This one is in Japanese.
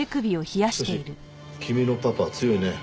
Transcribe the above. しかし君のパパは強いね。